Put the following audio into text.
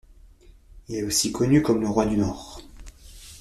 Il est aussi connu comme le Roi du Nord.